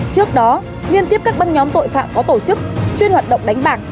trước đó liên tiếp các băng nhóm tội phạm có tổ chức chuyên hoạt động đánh bạc